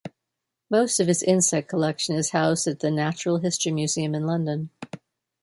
Most of his insect collection is housed at the Natural History Museum in London.